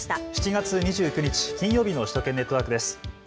７月２９日、金曜日の首都圏ネットワークです。